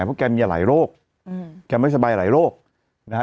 เพราะแกมีหลายโรคอืมแกไม่สบายหลายโรคนะฮะ